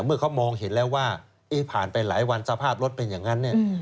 เมื่อเขามองเห็นแล้วว่าผ่านไปหลายวันสภาพรถเป็นอย่างนั้นเนี่ย